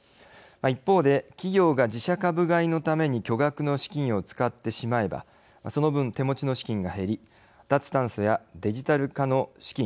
一方で企業が自社株買いのために巨額の資金を使ってしまえばその分手持ちの資金が減り脱炭素やデジタル化の資金